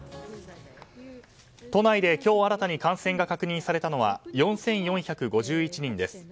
都内で今日新たに感染が確認されたのは４４５１人です。